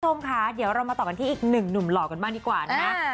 คุณผู้ชมค่ะเดี๋ยวเรามาต่อกันที่อีกหนึ่งหนุ่มหล่อกันบ้างดีกว่านะคะ